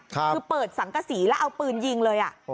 คือเปิดสังกษีแล้วเอาปืนยิงเลย